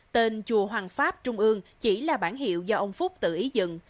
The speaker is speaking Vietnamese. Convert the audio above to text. tên chùa hoàng pháp trung ương chỉ là bản hiệu do ông phúc tự ý dựng